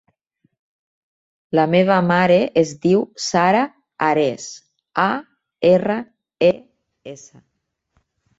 La meva mare es diu Sara Ares: a, erra, e, essa.